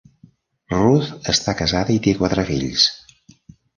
Ruth està casada i té quatre fills.